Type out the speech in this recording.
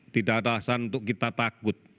tidak ada alasan untuk kita takut